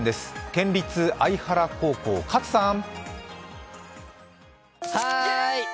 県立相原高校、勝さん。